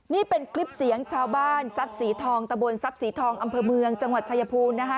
นี่เป็นคลิปเสียงชาวบ้านทรัพย์สีทองตะบนทรัพย์สีทองอำเภอเมืองจังหวัดชายภูมินะคะ